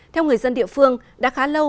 theo người dân địa phương đã khá lâu